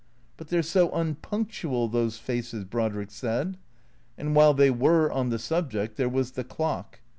" But they 're so unpunctual — those faces," Brodrick said. And while they were on the subject there was the clock.